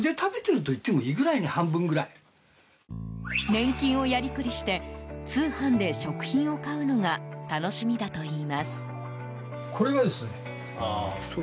年金をやりくりして通販で食品を買うのが楽しみだといいます。